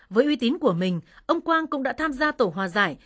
với uy tín của mình ông quang cũng đã tham gia tổ hòa giải